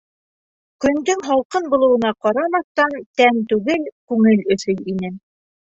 Көндөң һалҡын булыуына ҡарамаҫтан, тән түгел, күңел өшөй ине.